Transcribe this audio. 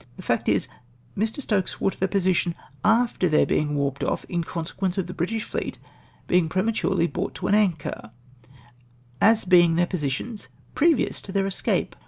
The fact is, Mr. Stokes swore to their positions after their being warped off in consequence of the British fleet being prematurely brought to an anchor — as being their positions previous to their escape!